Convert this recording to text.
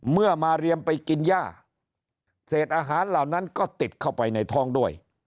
เมื่อมาเรียมไปกินย่าเศษอาหารเหล่านั้นก็ติดเข้าไปในท้องด้วย